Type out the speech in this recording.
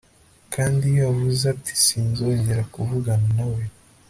kandi iyo avuze ati sinzongera kuvugana nawe